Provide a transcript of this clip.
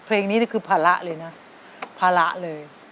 เพลงนี้นี่คือภาระเลยนะภาระเลย